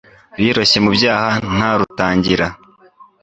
biroshye mu byaha nta rutangira